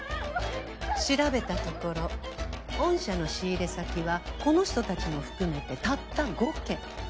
調べたところ御社の仕入れ先はこの人たちも含めてたった５軒。